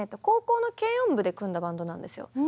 高校の軽音部で組んだバンドなんですよ。